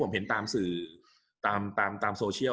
กับการสตรีมเมอร์หรือการทำอะไรอย่างเงี้ย